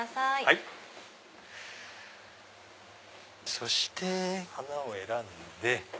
そして花を選んで。